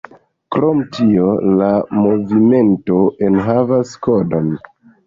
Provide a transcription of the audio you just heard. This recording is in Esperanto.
Krom tio la movimento enhavas kodon.